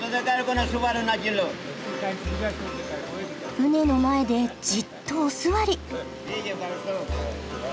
船の前でじっとお座り。